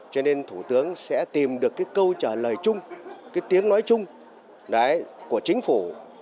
cho nên thủ tướng sẽ tìm được câu trả lời chung tiếng nói chung của chính phủ